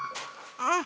あ。